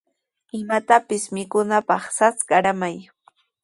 Imatapis mikunaapaq sas qaramay.